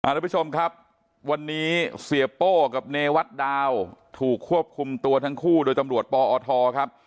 ทุกผู้ชมครับวันนี้เสียโป้กับเนวัดดาวถูกควบคุมตัวทั้งคู่โดยตำรวจปอทครับ